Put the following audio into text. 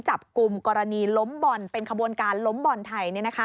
จับกลุ่มกรณีล้มบ่อนเป็นขบวนการล้มบ่อนไทย